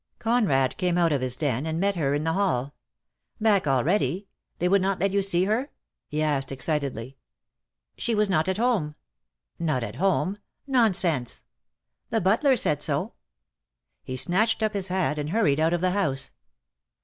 Conrad came out of his den and met her in the hall. "Back already? They would not let you see her?" he asked excitedly. "She was not at home." • "Not at home? Nonsense!" "The butler said so." He snatched up his hat, and hurried out of the house.